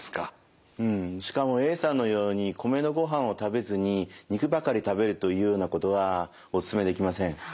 うんしかもＡさんのように米のごはんを食べずに肉ばかり食べるというようなことはお勧めできません。